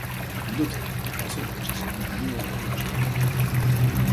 Middletown also hosts an annual Hummers parade.